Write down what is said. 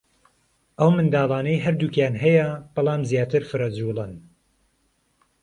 ئەو منداڵانەی هەردووکیان هەیە بەلام زیاتر فرەجووڵەن